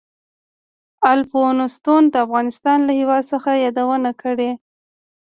الفونستون د افغانستان له هېواد څخه یادونه کړې.